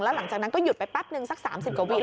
แล้วหลังจากนั้นก็หยุดไปปั๊บหนึ่งสัก๓๐กวิตร